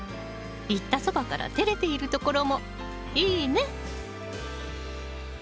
言ったそばからてれているところもいいね！